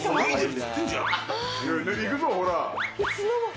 行くぞ、ほら。